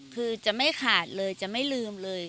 คือจะไม่ขาดเลยจะไม่ลืมเลย